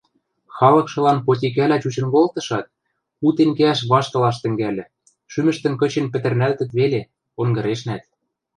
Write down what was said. Халыкшылан потикӓлӓ чучын колтышат, утен кеӓш ваштылаш тӹнгӓльӹ, шӱмӹштӹм кычен пӹтӹрнӓлтӹт веле, онгырешнӓт.